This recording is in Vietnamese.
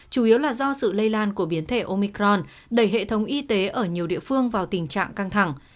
chủ yếu là do sự lây lan của biến thể omicron đẩy hệ thống y tế ở nhiều địa phương vào tình trạng căng thẳng